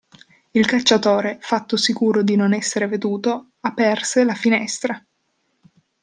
Il cacciatore, fatto sicuro di non essere veduto, aperse la finestra.